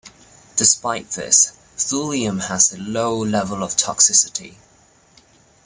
Despite this, thulium has a low level of toxicity.